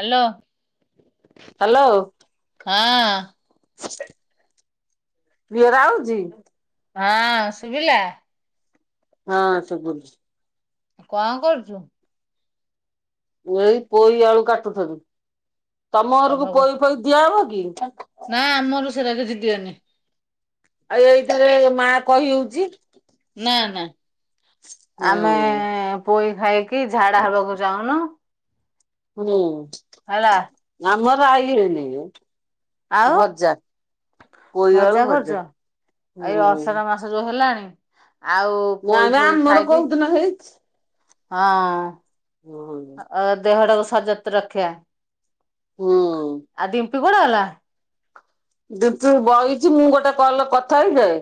Hello. Hello. ହଁ। Clear ଆଉଚି। ହଁ ଶୁଭିଲା? ହଁ ଶୁଭୁଚି। କଣ କରୁଛୁ? ଏଇ ପୋଇ ଆଳୁ କାଟୁଥେଲୁ ତମ ଘରକୁ ତମର କ- ପୋଇ ଫୋଇ ଦିଆହବ କି? ନା ଆମର ସେଇଟା କିଛିି ଦିଅନି। ଆଉ ଏଇଥେରେ ମା କହି ହଉଛି। ନା ନା ହୁଁ ଆମେ ପୋଇ ଖାଇକି ଝାଡା ହବାକୁ ଚାହୁଁନୁ। ହୁଁ। ହେଲା। ଆମର ରାଇ ହେଇନିକି। ଆଉ ପୋଇ ଆଳୁ ଭଜା କରୁଛ? ହୁଁ ଏଇ ଅସାଢ ମାସ ଯୋଉ ହେଲାଣି ଆଉ ନା ପୋଇ ଆ ଫୋଇ ଆମର ଖାଇକି କୋଉ ଦିନ ହେଇଛି? ହଁ ହୁଁ ଦେହଟାକୁ ସରଜତ ସଜତ ରଖିବା। ହୁଁ। ଆଉ ଦିମ୍ପି କୁଆଡେ ଗଲା? ଦେ ତୁ ବଇଛି ମୁଁ ଗୋଟେ କଲ କଥା ହେଇଯାଏ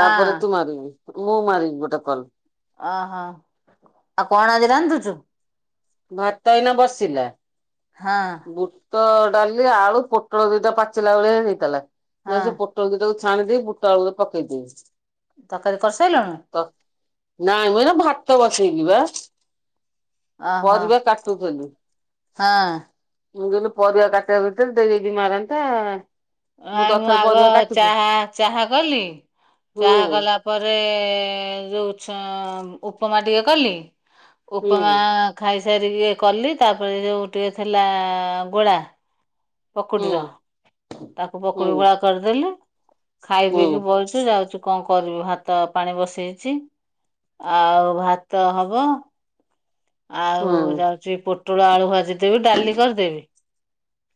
ତାପରେ ତୁ ମାରିବୁ। ମୁଁ ମାରିବି ଗୋଟେ କଲ। ଓହୋ ଆଉ କଣ ଆଜି ରାନ୍ଧୁଛୁ? ଭାତ ଏଇନା ବସିଲା? ହଁ ବୁଟ ଡାଲି ଆଳୁ ପୋଟଳ ଦିଟା ପାଚିଲା ଭେଳିଆ ହେଇଥିଲା ହଁ ସେ ପୋ ପୋଟଳ ଦିଟା କୁ ତାକୁ ଛାଣି ଦେଇି ବୁଟ ଆକୁରେ ପକେଇଦିଏ। ତରକାରୀ କରିସାଇଲଣି? ନାଇଁ ମୁଇ ଏଇନା ଭାତ ବସେଇକି ବା ଓହୋ ପରିବା କାଟୁଥିଲି। ହଁ। ମୁଁ ଯେଲୁ ପରିବା କାଟିବା ଭିତରେ ଦେଇଦେଇକିଦି ମାରନ୍ତେ। ନାଇଁ ମୁଁ ଆଗ ଚାହା ଚାହା କଲି ହୁଁ ଚାହା କଲା ପରେ ଯୋଉ ଝି ଉପମା ଟିକେ କଲି ଉପମା ହୁଁ ଖାଇସାରିକି ଇଏ କଲି ତାପରେ ଯେଉଁ ଟିକେ ଥିଲା ଗୋଳା ହୁଁ ପକୁଡିର ତାକୁ ହୁଁ ପକୁଡି ଗୋଳା କରିଦେଲି ଖାଇ ହୁଁ ପିଇକି ବଇଚୁ। ଯାଉଛୁ କଣ କରିବି ଭାତ ପାଣି ବସେଇଛି ଆଉ ଭାତ ହବ ଆଉ ହୁଁ ଯାଉଛି ପୋଟଳ ଆଳୁ ଭାଜିଦବି ଡାଲି କରିଦେବି।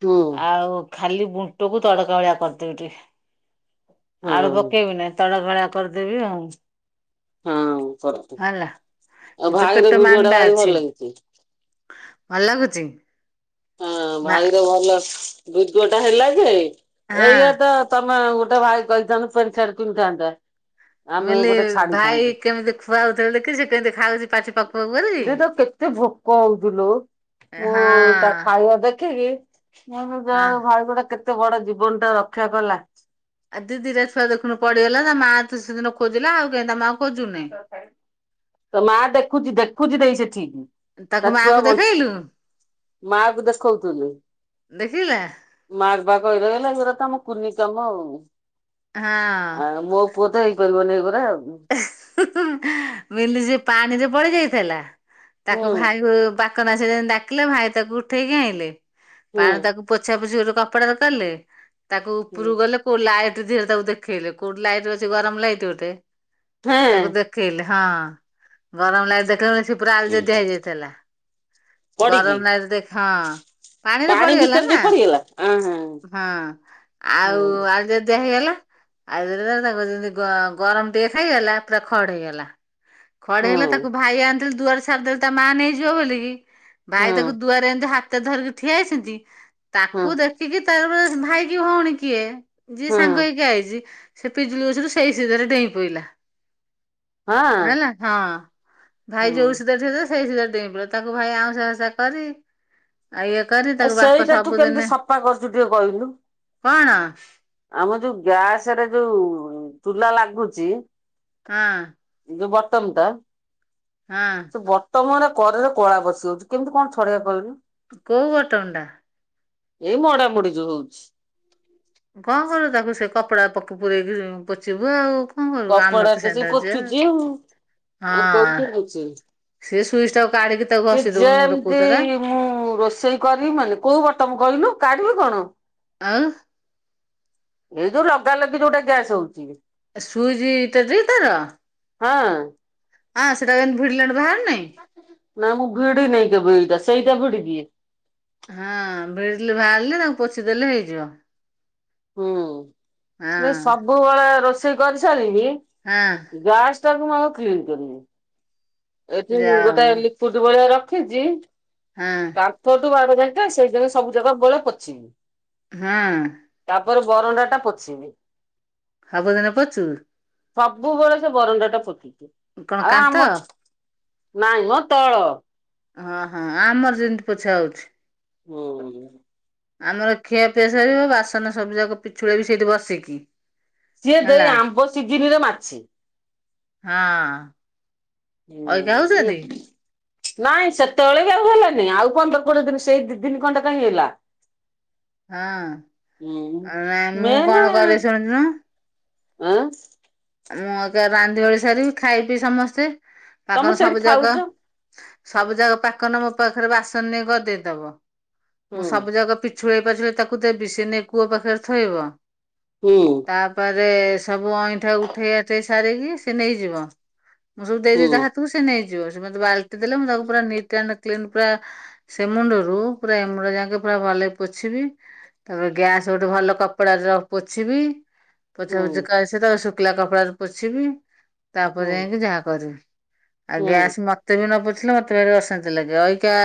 ହୁଁ ଆଉ ଖାଲି ବୁଟକୁ ତଡକା ଭଳିଆ କରିଦେବି ଟିକେ ଆଳୁ ହଁ ପକେଇବି ନାଇଁ। ତମଭଳିଆ କରିଦେବି ଆଉ ହଁ କରନ୍ତୁ। ହେଲା ଆଉ ଏତ ଭାଇର ପେଟ ଭିଡିଓ ଟା ମାନ୍ଦା ଭାରି ଭଲ ଅଛି ଲାଗିଛି। ଭଲ ଲାଗୁଛି ହଁ ମା ଭାଇର ଭଲ ଭିଡିଓଟା ହେଲା ଯେ ହଁ ଏଇଆ ତ ତମେ ଗୋଟେ ଭାଇ କହିଥାନ୍ତ ପେଣି ଛାଡ କିଣିଥାନ୍ତା [unintelligible] ଆମେ ମିଲି ଗୋଟେ ଭାଇ ଛାଡିଥାନ୍ତୁ। କେମିତି ଖୁଆଉଥିଲେ ଦେଖିଛି କେମିତି ଖାଉଛି ପାଟି ପା ତ କେତେ ଭୋକ ହଉଥିଲୁ ମୁଁ ହଁ ତା ଖାଇବା ଦେଖିକି ମୁ ଯା ହଁ ଭାଇ ଗୋଟା କେତେ ବଡ ଜୀବନଟା ରକ୍ଷା କଲା ଆଉ ଦିଦିରେ ୁଆ ଦେଖୁ ପଡିଗଲା ତା ମା ସେଦିନ ଖୋଜିଲା ଆଉ କେହିତା ମା [unintelligible] ହ ତଥାାଇ [unintelligible] ତ ମା ଦେଖୁଛି ଦେଖୁଛି ଦେଇ ସେଠି ତାକୁ ତା ମା ଛୁଆ କୁ ବ ଦେଖେଇଲୁ ମାକୁ ଦେଖଉଥନି ଦେଖିଲେ ମାଗବାକରଲାାଗର ତମ କୁନ ତମଉ ଆ ହଁ ମ [unintelligible] ପୁଅ ତ ହେଇପାରିବନି ଏଗୂରା ମିଲି ସେପାଣିରେ ପଡି ଯାଇଥିଲା ତାକୁ ହୁଁ ଭାଇ ସେ ଡାକିଲେ ଭାଇ ତାକୁ ଉଠେଇକି ଆଣିଲେ ହୁଁ ପାଣି ତାକୁ ପୋଛା ପୋଛି ଗୋଟ କପଡା କଲେ ତାକୁ ହୁଁ ଉପରକୁ ଗଲେ ଲାଇଟ୍ ଧୀରେ ତାକୁ ଦେଖେଇଲେ କୋଲଡ ଲାଇଟ୍ ଅଛି ଗରମ ଲାଇଟ ଗୋଟେ ତାକୁ ହେଁ। ଦେଖେଇଲି ହଁ ଗରମ ଲାଗିଲି ଦେଖେଇ ପୁରା ଯଦି ହେଇଯାଇଥିଲା [unintelligible] ପଡିକି ଗରମ ନାଇରେ ହଁ ପାଣିରେ ପାଣି ପଡିଗଲା ଭିତରେ ଯୋଉ ନା ପଡିଗଲା ଆ ହଁ ହୁଁ ଆଉ ଯେତେ ହେଇଗଲା ଆଇ ତା ଗରମ ଟେ ହେଇଗଲା ପୁରା ଖଡ ହେଇଗଲା ଖଡେ ହୁଁ ହେଲେ ତାକୁ ଭାଇ ଆଣିଥିଲି ଦୁଆରେ ଛାରିଦେଲି ତା ମା ନେଇଯିବ ବୋଲିକି ହୁଁ ହୁଁ ଭାଇ ତାକୁ ଦୁଆରେ ଏମିତି ହାତ ଧରିକି ଠିଆଇହେଛନ୍ତି ହୁଁ ତାକୁ ଦେଖ କି ତାର ଭାଇ କି ଭଉଣୀ କିଏ ଯିଏ ସାଙ୍ଗ ହଁ ହେଇକି ଆଇଛି ସେ ପିଜୁଳିଗଛରୁ ସେଇ ସିଧାରେ ଡେଇଁ ପଡିଲା ହେଲା ହଁ ଭାଇ ହୁଁ ଯୋଉ ସିଧା ସେଇସିଧା ଡେଇଁ ପଡି ତାଙ୍କୁ ଭାଇ ଆଉ ସା କରି ଆଉ ଇଏ କରି ଆ ତାକୁ ବାପ ସେଇଟା ତୁ କେମିତି ସବୁଦିନେ ସଫା କରୁଛୁ ଟିକେ କହିଲୁ? କଣ ଆମ ଯୋଉ ଗ୍ୟାସରେ ଯୋଉ ଚୁଲା ଲାଗୁଛି ହଁ [unintelligible] ହଁ ସେ ବର୍ତ୍ତମାନରେ କରେରେ କଳା ବସିଉଛି କେମିତି କଣ ଛଡେଇକବା କହିଲୁ କୋଉ ବତମ୍ ଟା ଏଇ ମଡାମଡି ଯୋଉ ହଉଛି ହଁ ହଁ ତାକୁ ସେ କପଡା ପୂରେଇକି ପୋଚିବୁ ଆଉ ହଁ ଆମର କପଡା ତ ସେ ସେଟଛି ପୋଛୁଛି ଆଉ ହଁ ଆଉ କୋଉଠି ପୋଛିବି ସେ ସୁଇଚ ଟାକୁ କାଢିକି ତାକୁ ସେ ହସି ଦଉନୁ ଗୋଟେ ଯେମିତି କଉତା [unintelligible] ମୁଁ ରୋଷେଇ କରିବି ମାନେ କୋଉ ବର୍ତ୍ତମ କହିଲୁ କାଢିବି କଣ ଅଁ ଏଇ ଯୋଉ ଲଗାଲଗି ଯୋଉଟା ଗ୍ୟାସ ହଉଛି ସୁଇଜ୍ ତେଜିବି ତାର ହଁ ହଁ ସେଇଟା କେମତି ଭିଡ଼ିଲାଣି [unintelligible] ବାାରୁ ନାହିଁ ନାଇଁ ମୁଁ ଭିଡି ନାଇଁ କେବେ ଏଇଟା ସେଇଟା ଭିଡି ଦିଏ। ହଁ ଭିଡ଼ି ବାହାରିଲେ ତାଙ୍କୁ ପୋଛିଦେଲେ ହେଇଯିବ। ହଁ ହୁଁ ସବୁବେଳେ ରୋଷେଇ କରିସାରିକି। ହଁ ଗାସ ଟାକୁ ମୁଁ ଆଉ କି୍ଷଣି କରିବି [inaudible] ଏଠି ଯାଅ ଗୋଟେ ଲିକୁଡି ବଳିଆ ରଖିଛି। ହଁ କାନ୍ଥଠୁ ବାର ଯାଇା ସେଇ ଜିନ ସବୁ ଜାଗା ବେଳେ ପଛିବି ହଁ ତାପରେ ବରଣ୍ଡା ଟା ପୋଛିବି। ହବଦିନ ପଚୁ [unintelligible] ସବୁବେଳେ ସେ ବରଣ୍ଡା ଟା ପୋଛି ଛି। କଣ କାନ୍ତ ମା ମ ତଳ ହଁ ହଁ ଆମର ଯେମତି ପୋଛା ହଉଛି। ହୁ ଆମର ଖିଆପିଆସ ବାସନ ସବୁ ଯାକ ପିଛୁଳି ବି ସେଇଠି ବସିକି। ସିଏ ଦେଇ ହେଲା ଆମ୍ବ ସିଜିନିରେ ମାଛି। ହଁ ଅଇକା ହୁଁ ହଉଛନ୍ତି ହ ନାଇଁ ସେତେବେଳେ ବି ଆଉ ହେଲାନି ଆଉ କଣଟ କୋଟେ ଦିନ ସେଇ ଦିନ କଣଟା କାଁ ହେଗଲା ହଁ ହଁ ନାଇଁ ମୁଁ କଣ ମେନ କରେ ଶୁଣୁନୁ ଆ [unintelligible] ମୁଁ ଏକ ରାନ୍ଧି ଭଳି ସାରିବି ଖାଇ ପି ସମସ୍ତେ ତମର ପାଖର ସେଇଠି ସବୁ ଯାକ ଖାଉଛ ସବୁ ଯାକ ପାକନ ମୋ ପାଖରେ ବାସନ ନେଇ ଗ ଦେଇଦବ ହୁଁ ମୁଁ ସବୁ ଯାକ ପି ଛୁଳେଇ ପାଛେଇ ତାକୁ ତ ବିଶ ନେଇ କୂଅ ପାଖରେ ଥୋଇବ। ହୁଁ ତାପରେ ସବୁ ଅଇଁଠା ଉଠେଇ ଆଠେଇ ସାରିକି ସେ ନେଇଯିବ। ମୁଁ ସବୁ ହୁଁ ଦେଇଦି ତା ହାତକୁ ସେ ନେଇଯିବ ସେତେ ବାଲଟି ଦେଲେ ମୁଁ ତାକୁ ପୁରଟ୍ ଆ ପୁର ସେ ମୁଣ୍ଡରୁ ପୁରା ଏ ମୁଣ୍ଡ ଯାକେ ପୁରା ଭଲ ପୋଛିବି। ତାପ ଗ୍ୟାସ୍ ଗୋଟେ ଭଲ କପଡା ର ପୋଛିବି। ପୋଛା ହୁଁ ପଛ କ ସେ ତା ଶୁଖିଲା କପଡାରେ ପୋଛିବି ତାପରେ ହୁଁ ଯାଇକି ଯାହା କରିବି। ଆଉ ହୁଁ ଗ୍ୟାସ୍ ମତେ ବି ନ ପୋଛିଲେ ମତେ ବି ଅଶାନ୍ତି ଲାଗେ ଅା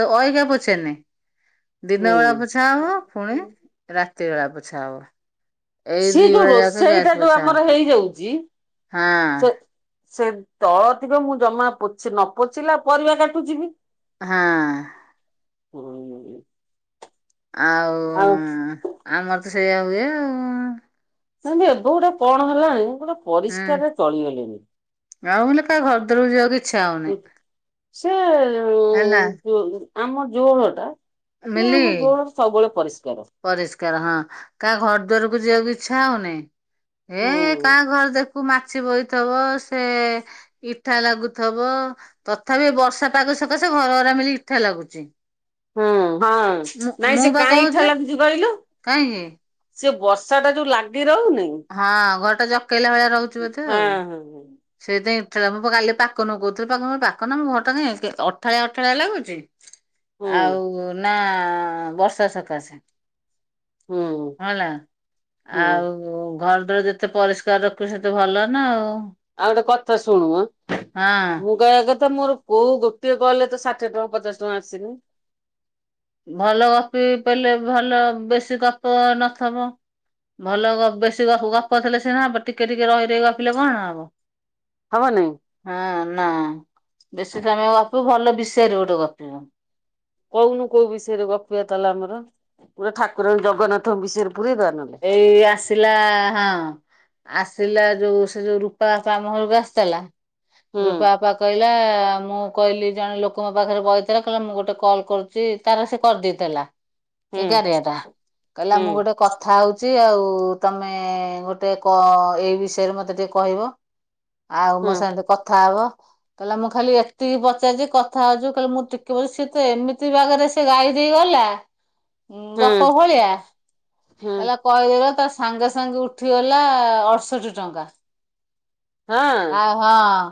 ତ ଅଇିକା ପୋଛେନି। ଦିନ ହୁଁ। ବଳା ପୋଛା ହବ, ପୁଣି ରାତି ବଳା ପୋଛା ହବ। ଏଇ ସେ ଦି ଯୋଉ ବେଳା ଯାକ ଗ୍ୟାସ୍ ରୋଷେଇଟା ଯୋଉ ପୋଛା ହବ ଆମର ହେଇଯାଉଛି ହଁ ସେ ସେ ତଳ ଥିବେ ମୁଁ ଜମା ପୋ ନ ପୋଛିଲା ପରିବା କାଟୁଛିିବି। ହଁ ଆଉ ହଉ ଆମର ତ ସେଇଆ ହୁଏ ଆଉ। ସେୁ ଏବେ ଗୋଟେ କଣ ହେଲାଣି ଗୋଟେ ପରିଷ୍କାରରେ ହୁଁ ଚଳିଗଲେଣି। ଆଉ କା ଘରରକୁ ଯିବକ କି ସେ ହେଲା ଆମ ଜୋଳ ଟା [inaudible] ନା ମିଲି ଆମ ଗୋଳର ସବୁବେଳେ ପରିଷ୍କାର। ପରିଷ୍କାର ହଁ। କାହା ଘର ଦୁଆାରକୁ ଯିବାକୁ ଇଛା ହଉନି। ଏ ହୁଁ କାହା ଘର ଦେଖୁ କୁ ମାଛି ବୋଇଥବ, ସେ ଇଠା ଲାଗୁଥବ ତଥାପି ଏ ବର୍ଷା ପାଗ ସକାଶେ ଘର ଘରା ମିଲି ଇଠା ଲାଗୁଛି। ହୁଁ ହଁ। ମୁଁ ନାଇଁ ମୁଁ ସେ ବା କାଇଁ କହୁଛି ଇଠା ଲାଗୁଛି କହିଲୁ? କାହିଁକି? ସେ ବର୍ଷା ଟା ଯୋଉଁ ଲାଗି ରହୁନି ହଁ, ଘରଟା ଜକେଇଲା ଭଳିଆ ରହୁଚି ବୋଧେ ଆଉ? ହୁଁ ହୁଁ। ସେଇଥିପାଇଁ ମୁଁ ପା କାଲି ପାକନକୁ କୋଉଥିଲି, ପାକନ, ପାକନ ମୁଁ ଘର ଟାଁ କାଇଁ ଅଠାଳିଆ ଅଠାଳିଆ ଲାଗୁଚି? ହଁ ଆଉ ନା, ବର୍ଷା ସକାଶେ। ହୁଁ ହଁଲା ହୁଁ ହୁଁ ଆଉ ତ, ଘରଟାରୁ ଯେତେ ପରିଷ୍କାର ରଖୁ ସେତେ ଭଲ ନା ଆଉ। ଆଉ ଗୋଟେ କଥା ଶୁଣ୍ ନି। ହଁ। କଇବା କଥା ମୋର କୋଉ ଗୋଟିଏ କଲରେ ତ ଷାଠିଏ ଟଙ୍କା ପଚାଶ ଟଙ୍କା ଆସିନି। ଭଲ ଗପି ପାଇଲେ ଭଲ, ବେଶୀ ଗପ ନଥବ। ଭଲ ଗ ବେଶୀ ଗ ଗପ ଥିଲେ ସିନା ହବ, ଟିକେ ଟିକେ ରହିରହି ଗପିଲେ କଣ ହବ। ହବ ନେଇଁ। ହଁ ନା। ବେଶୀ ସମୟ ଗପିବୁ, ଭଲ ବିଷୟରେ ଗୋଟେ ଗପିବୁ। କୋଉନୁ କୋଉ ବିଷୟରେ ଗପିବା କଉନୁ ଗତାଲେ ଆମର। ପୁରା ଠାକୁରଙ୍କ ଜଗନ୍ନାଥଙ୍କ ବିଷୟରେ ପୁରେଇଦବାନଲେ। ଏଇ ଆସିଲା ହଁ। ଆସିଲା ଯୋଉ ସେ ଯୋଉ ରୂପା ବାପା ଆମ ଘରକୁ ଆସିଥିଲା। ହୁଁ ରୂପା ବାପା କହିଲା, ମୁଁ କହିଲି ଜଣେ ଲୋକ ମୋ ପାଖରେ ବହିଥିଲା, କହିଲା ମୁଁ ଗୋଟେ କଲ୍ କରୁଚି, ତାର ସେ କରିଦେଇଥିଲା। ହୁଁ ଏଗାରିଆଟା। କହିଲା ମୁଁ ଗୋଟେ ହୁଁ ଥାଉଚି ଆଉ, ତମେ ଗୋଟେ କ ଏଇ ବିଷୟରେ ମତେ ଟିକେ କହିବ। ଆଉ ମୋ ସାଙ୍ଗେ ଟିକେ କଥା ହବ। କହିଲା ମୁଁ ଖାଲି ଏତିକି ପଚାରିଚି, କଥା ହଉଚୁ, କହିଲେ ମୁଁ ଟିକେ ପଛ, ସିଏ ତ ଏମିତି ବାଗରେ ସେ ଗାଈ ଦେଇ ଗଲା ଉଁ ହୁଁ ଗପ ଭଳିଆ ହୁଁ ହୁଁ ହେଲା କହିଦେଲା, ତ ସାଙ୍ଗେ ସାଙ୍ଗେ ଉଠିଗଲା ଅଢ଼ଷଠି ଟଙ୍କା। ଆ ହଁ। ହଁ,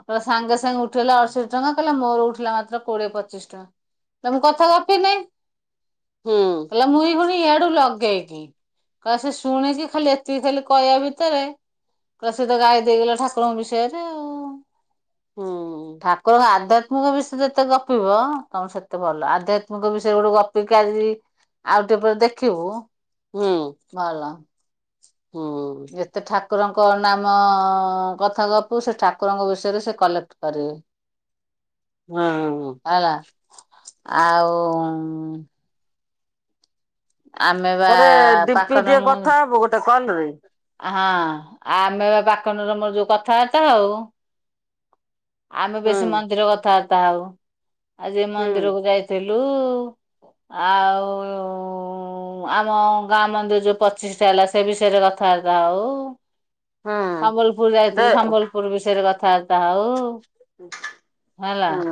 କଇଲା ସାଙ୍ଗେ ସାଙ୍ଗେ ଉଠିଗଲା ଅଢଷଠି ଟଙ୍କା, କହିଲା ମୋର ଉଠିଲା ମାତ୍ର କୋଡିଏ ପଚିଶ ଟଙ୍କା। ତ ମୁଁ କଥା ଗପିିନାଇଁ, ହୁଁ କହିଲା ମୁଇଁ ପୁଣି ଇଆଡୁ ଲଗେଇକି। କ ସେ ଶୁଣିକି ଖାଲି ଏତିକି ଖାଲି କହିବା ଭିତରେ କଇଲା ସେ ତ ଗାଇ ଦେଇଗଲା ଠାକୁରଙ୍କ ବିଷୟରେ ଆଉ। ହୁଁ ଠାକୁରଙ୍କ ଆଦ [unintelligible] ବିଷୟରେ ଯେତେ ଗପିବ, ତମର ସେତେ ଭଲ। ଆଧ୍ୟାତ୍ମିକ ବିଷୟରେ ଗୋଟେ ଗପିକି ଆଜି ଆଉ ଟିକେ ପରେ ଦେଖିବୁ ହୁଁ। ଭଲ। ଯେତେ ଠା ଠାକୁରଙ୍କ ନାମ କଥା ଗପିବୁ, ସେ ଠାକୁରଙ୍କ ବିଷୟରେ ସେ କଲେକ୍ଟ କରିବେ। [inaudible] [unintelligible] ହେଲା, ଆଉ ଆମେ ବା କରେ ଡିମ୍ପି ପାକନ ଟିକେ ମୁଁ କଥା ହବୁ, ଗୋଟେ କଲରେ? ହଁ, ଆମେ ପାକନର ମୋର ଯୋଉ କଥାବାର୍ତ୍ତା ହୋଉ ଆମେ ହୁଁ ବେଶୀ ମନ୍ଦିର କଥାବାର୍ତ୍ତା ହଉ ଆଜି ହୁଁ ମନ୍ଦିରକୁ ଯାଇଥିଲୁ। ଲୋ ଆଉ ଆମ ଗାଁ ମନ୍ଦିର ଯୋଉ ପଚିଶଟା ହେଲା ସେ ବିଷୟରେ [unintelligible] ହୁଁ ସମ୍ବଲପୁର ଦେ ଯାଇଥିଲୁ ସମ୍ବଲପୁର ବିଷୟରେ କଥାବାର୍ତ୍ତା ହଉ। ହେଲା। ହୁଁ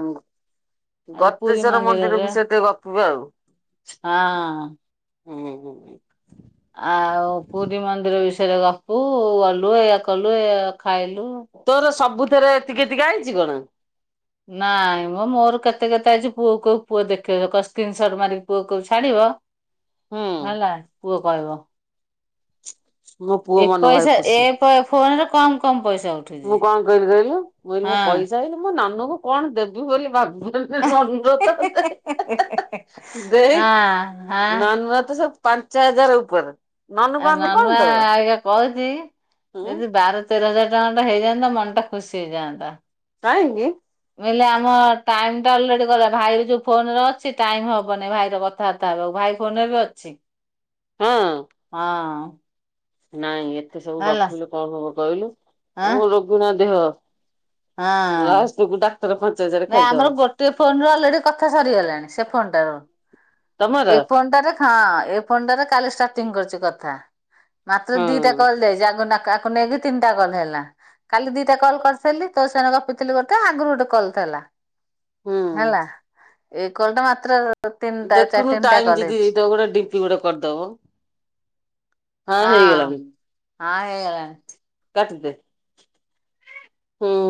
ଆଜି ପୁରୀ ଗତେଶ୍ଵର ମନ୍ଦିର ମନ୍ଦିରରେ ବି ସେ ଟେ ଗପିବେ ଆଉ। ହଁ। [inaudible] ଆଉ ପୁରୀ ମନ୍ଦିର ବିଷୟରେ ଗପୁ ଗଲୁ ଇଆ କଲୁ ଇଆ ଖାଇଲୁ। ତୋର ସବୁଥରେ ଏତିକି ଏତିକି ଆଇଛି କଣ ନାଇଁ ମୁଁ ମୋର କେତେ କେତେ ଅଛି ପୁଅ କଉ ପୁଅ ଦେଖ ସ୍କ୍ରିନସଟ ମାରିକି ପୁଅ କୋଉ ଛାଡିବ। ହୁଁ ହେଲା ପୁଅ କହିବ। ମୋ ପୁଅ ଏ ମନ ଭାରି ପଇସା ଏ ଖୁସି ଫୋନରେ କମ କମ ପଇସା ହଉଛି ମୁଁ କଣ କହିଲି କହିଲୁ ମୁଁ କହିଲି ମୁଁ ପଇସା ଆଇଲେ ମୋ ନାନୁ କ କଣ ଦେବି ବୋଲି ଭାବିପାରୁନି। ନନ ରଥ ହଁ। ଦେଇ ହଁ ହଁ ନାନ ରଥ ସବୁ ପାଞ୍ଚ ହଜାର ଉପରେ ନାନୁକୁ ନାନୁଆ ଆମେ କଣ ନୂଆ ଦବା ଆଜ୍ଞା କହୁଛି ହୁଁ ଯଦି ବାର ତେର ହଜାର ଟଙ୍କା ଟା ହେଇଯାନ୍ତା ମନ ଟା ଖୁସି ହେଇଯାନ୍ତା। ନାହିଁକି ମୁଁ କହିଲି ଆମ ଟାଇମ ଟା ଅଲରେଡି କଲେ ଭାଇ ଯୋଉ ଫୋନ ଅଛି ଟାଇମ ହବନି ଭାଇର କଥା କଥାବାର୍ତା ହେ ଆଉ ଭାଇ ଫୋନ ରେ ବି ଅଛି ହଁ ହଁ। ନାଇଁ ଏତେ ସବୁ ହେଲା ଗପିଲୁ କଣ ହବ କହିଲୁ ଆଁ ଆମେ ରୋଗିନା ଦେହ। ଲଷ୍ଟକୁ ଡାକ୍ତର ପାଞ୍ଚ ହଜାର ନାଇ ଆମର ଗୋଟିଏ ଫୋନ ରୁ ଅଲରେଡି କଥା ସରିଗଲାଣି ସେ ଫୋନଟାରୁ ତମର ଏଇ ଫୋନ ଟାରେ ହଁ ଏ ଫୋନ ଟାରେ କାଲି ଷ୍ଟାର୍ଟିଂ କରିଛି କଥା। ମାତ୍ର ଦିଟା ହୁଁ କଲ ଯାଇଛି ନା ଆକୁ ନେଇକି ତିନିଟା କଲ ହେଲା କାଲି ଦିଟା କଲ କରିସଥିଲି ତ ସାଙ୍ଗେ ଗପିଥିଲି ଗୋଟେ ଆଗରୁ ଗୋଟେ କଲ୍ ହେଲା ହେଲା ହୁଁ। ଏ କଲ୍ ଟା ମାତ୍ର ତିନିଟା ଦେଖୁନୁ ତିନିଟା ଟାଇମ କଲ୍ ଯିଦି ହେଇଛି ହେଇଥିବ ଗୋଟେ ଡିପି ଗୋଟେ କରିଦବ। ହଁ ହଁ ହେଇଗଲାଣି। କାଟି ଦେ ହୁଁ।